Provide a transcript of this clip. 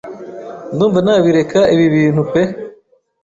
ndumva nabireka ibi binntu pe